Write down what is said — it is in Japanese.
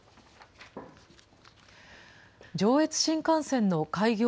上越新幹線の開業